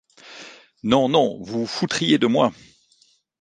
Non ! non ! vous vous foutriez de moi !…